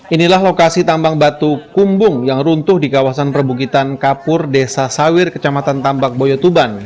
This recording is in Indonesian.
inilah lokasi tambang batu kumbung yang runtuh di kawasan perbukitan kapur desa sawir kecamatan tambak boyotuban